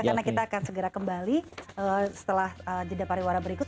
karena kita akan segera kembali setelah didapari warah berikut